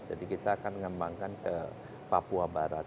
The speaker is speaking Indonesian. jadi kita akan mengembangkan ke papua barat